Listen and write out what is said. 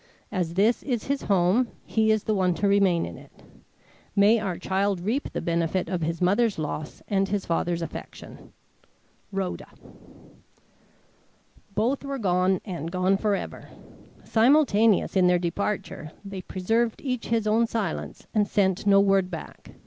As this is his home, he is the one to remain in it. May our child reap the benefit of his mother's loss and his father's affection. "RHODA." Both were gone, and gone forever. Simultaneous in their departure, they preserved each his own silence and sent no word back.